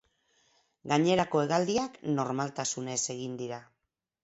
Gainerako hegaldiak normaltasunez egin dira.